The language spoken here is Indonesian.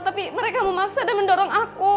tapi mereka memaksa dan mendorong aku